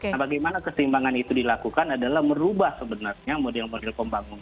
nah bagaimana keseimbangan itu dilakukan adalah merubah sebenarnya model model pembangunan